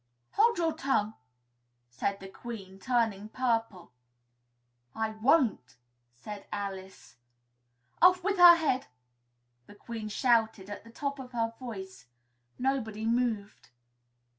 "Hold your tongue!" said the Queen, turning purple. "I won't!" said Alice. "Off with her head!" the Queen shouted at the top of her voice. Nobody moved.